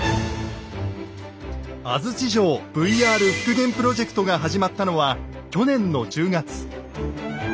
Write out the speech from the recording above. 「安土城ＶＲ復元プロジェクト」が始まったのは去年の１０月。